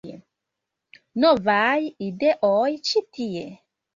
Novaj ideoj ĉi tie